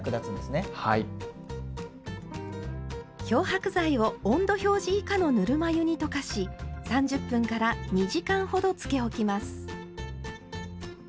漂白剤を温度表示以下のぬるま湯に溶かし３０分２時間ほどつけ置きます。